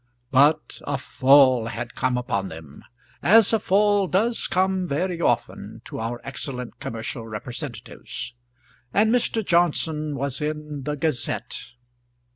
But a fall had come upon them, as a fall does come very often to our excellent commercial representatives and Mr. Johnson was in the "Gazette."